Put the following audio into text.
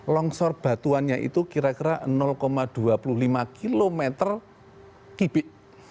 longsor batuannya itu kira kira dua puluh lima km kibik